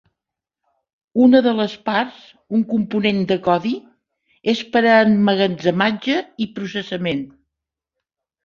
Una de les parts, un component de codi, és per a emmagatzematge i processament.